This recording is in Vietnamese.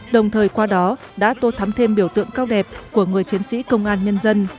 đồng thời qua đó đã tô thắm thêm biểu tượng cao đẹp của người chiến sĩ công an nhân dân